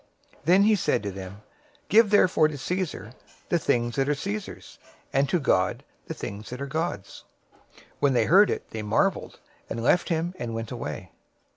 Then he said to them, "Give therefore to Caesar the things that are Caesar's, and to God the things that are God's." 022:022 When they heard it, they marveled, and left him, and went away.